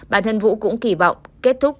bản thân vũ cũng kỳ vọng kết thúc